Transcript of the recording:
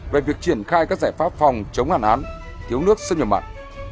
về việc triển khai các giải pháp phòng chống hạn hán thiếu nước sinh nhập mặn